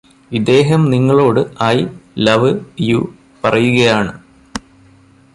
ഇദ്ദേഹം നിങ്ങളോട് I love you പറയുകയാണ്